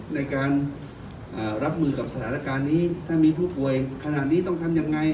ในการรับมือกับสถานการณ์นี้ถ้ามีผู้ป่วยขนาดนี้ต้องทำยังไง